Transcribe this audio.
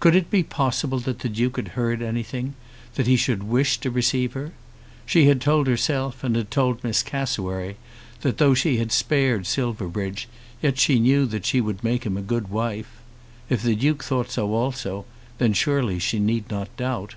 Could it be possible that the Duke had heard anything; that he should wish to receive her? She had told herself and had told Miss Cassewary that though she had spared Silverbridge, yet she knew that she would make him a good wife. If the Duke thought so also, then surely she need not doubt.